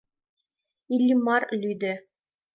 Иллимар лӱдӧ: